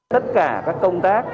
tất cả các công tác